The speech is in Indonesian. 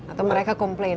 atau mereka komplain